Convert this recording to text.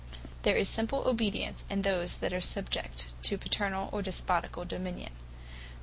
There is simple obedience in those that are subject to Paternall, or Despoticall Dominion.